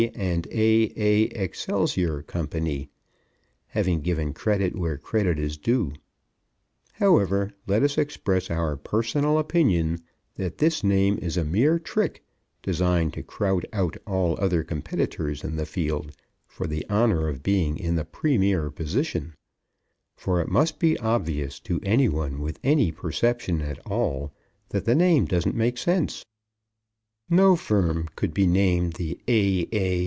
& A.A. Excelsior Co. Having given credit where credit is due, however, let us express our personal opinion that this name is a mere trick, designed to crowd out all other competitors in the field for the honor of being in the premiere position, for it must be obvious to any one with any perception at all that the name doesn't make sense. No firm could be named the A.